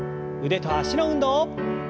腕と脚の運動。